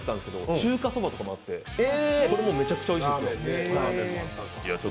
中華そばとかもあってそれもめちゃくちゃおいしいです。